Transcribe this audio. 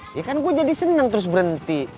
ya kan gue jadi senang terus berhenti